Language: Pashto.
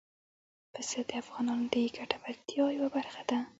پسه د افغانانو د ګټورتیا یوه برخه ده.